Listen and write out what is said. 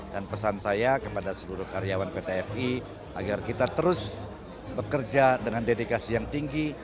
dan pesan saya kepada seluruh karyawan pt fi agar kita terus bekerja dengan dedikasi yang tinggi